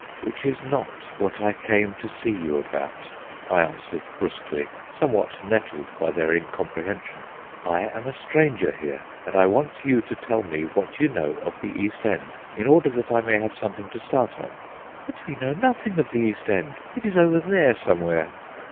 "Which is not what I came to see you about," I answered brusquely, somewhat nettled by their incomprehension. "I am a stranger here, and I want you to tell me what you know of the East End, in order that I may have something to start on." "But we know nothing of the East End. It is over there, somewhere."